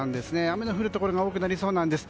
雨の降るところが多くなりそうです。